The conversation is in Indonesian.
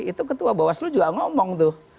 itu ketua bawaslu juga ngomong tuh